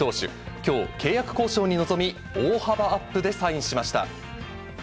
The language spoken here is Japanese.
きょう、契約交渉に臨み、大幅アップでサインしました。